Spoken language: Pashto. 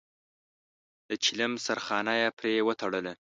د چيلم سرخانه يې پرې وتړله.